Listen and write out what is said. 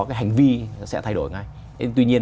cái hành vi sẽ thay đổi ngay tuy nhiên